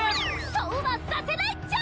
そうはさせないっちゃ！